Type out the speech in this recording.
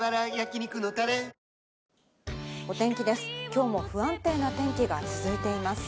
今日も不安定な天気が続いています。